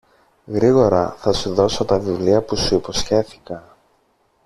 γρήγορα θα σου δώσω τα βιβλία που σου υποσχέθηκα